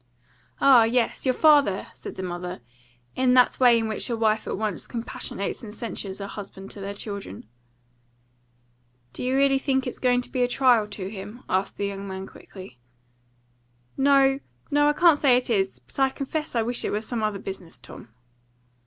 "Ah, yes, your father!" said the mother, in that way in which a wife at once compassionates and censures her husband to their children. "Do you think it's really going to be a trial to him?" asked the young man quickly. "No, no, I can't say it is. But I confess I wish it was some other business, Tom."